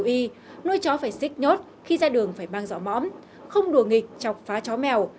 người dân nuôi chó phải xích nhốt khi ra đường phải mang rõ mõm không đùa nghịch chọc phá chó mèo